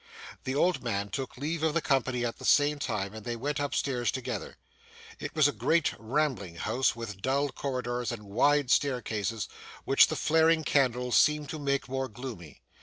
The old man took leave of the company at the same time, and they went up stairs together. It was a great, rambling house, with dull corridors and wide staircases which the flaring candles seemed to make more gloomy.